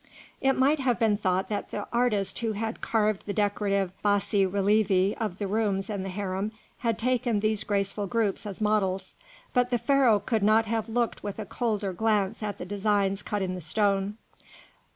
It might have been thought that the artist who had carved the decorative bassi relievi of the rooms in the harem had taken these graceful groups as models; but the Pharaoh could not have looked with a colder glance at the designs cut in the stone.